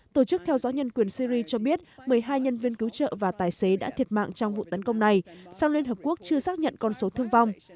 tổ chức theo dõi nhân quyền syri cho biết một mươi hai nhân viên cứu trợ và tài xế đã thiệt mạng trong vụ tấn công này song liên hợp quốc chưa xác nhận con số thương vong